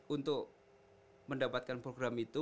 untuk mendapatkan program itu